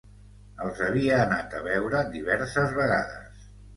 Els havia anat a veure diverses vegades